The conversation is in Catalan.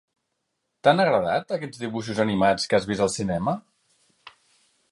T'han agradat, aquests dibuixos animats que has vist al cinema?